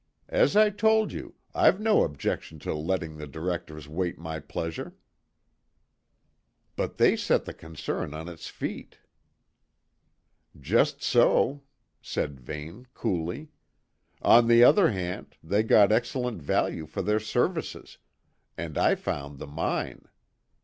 "As I told you, I've no objection to letting the directors wait my pleasure." "But they set the concern on its feet." "Just so," said Vane coolly. "On the other hand, they got excellent value for their services and I found the mine.